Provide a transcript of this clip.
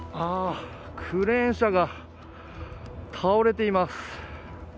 クレーン車が倒れています。